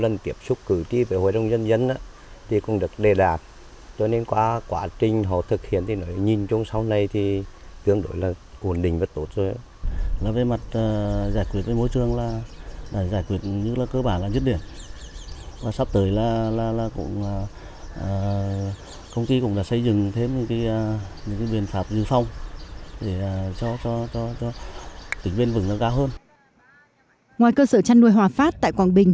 ngoài cơ sở chăn nuôi hòa phát tại quảng bình